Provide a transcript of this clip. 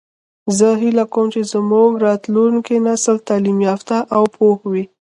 زه هیله کوم چې زموږ راتلونکی نسل تعلیم یافته او پوه وي